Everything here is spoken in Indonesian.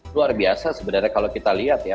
luar biasa sebenarnya kalau kita lihat ya